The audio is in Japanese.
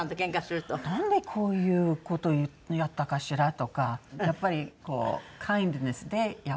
なんでこういう事やったかしらとかやっぱりカインドネスで。